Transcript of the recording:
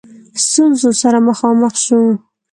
ستونزو سره مخامخ شو.